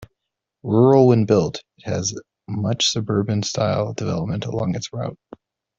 Rural when built, it has much suburban-style development along its route.